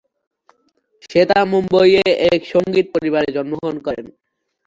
শ্বেতা মুম্বইয়ে এক সঙ্গীত পরিবারে জন্মগ্রহণ করেন।